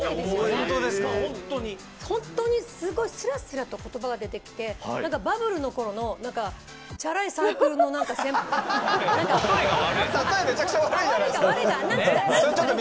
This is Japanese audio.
本当にすごいすらすらとことばが出てきて、なんかバブルのころの、なんかチャラいサークルの例えが悪い。